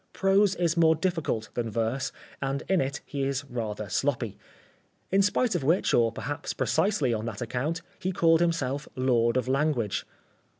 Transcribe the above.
Prose is more difficult than verse and in it he is rather sloppy. In spite of which, or perhaps precisely on that account, he called himself lord of language.